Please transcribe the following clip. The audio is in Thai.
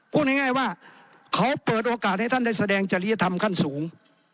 พูดง่ายว่าเขาเปิดโอกาสให้ท่านได้แสดงจริยธรรมขั้นสูง